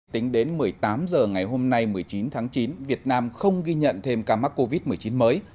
tính đến một mươi tám h ngày hôm nay một mươi chín tháng chín việt nam không ghi nhận thêm ca mắc covid một mươi chín mới